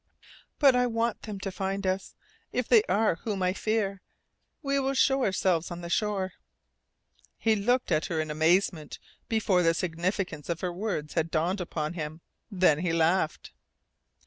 "But I want them to find us if they are whom I fear. We will show ourselves on the shore." He looked at her in amazement before the significance of her words had dawned upon him. Then he laughed.